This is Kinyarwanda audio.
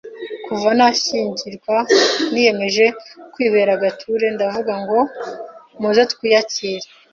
kuva nashyingirwa, niyemeje kwibera gature ndavuga ngo muze twiyakire